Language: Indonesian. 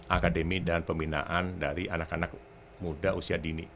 akademi dan pembinaan dari anak anak muda usia dini